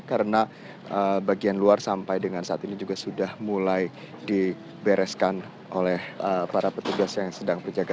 karena bagian luar sampai dengan saat ini juga sudah mulai dibereskan oleh para petugas yang sedang berjaga